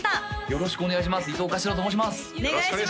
よろしくお願いします